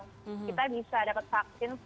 kita bisa dapat vaksin